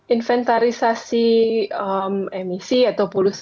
inventarisasi emisi atau polusi